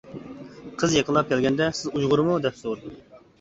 قىز يېقىنلاپ كەلگەندە، «سىز ئۇيغۇرمۇ؟ » دەپ سورىدىم.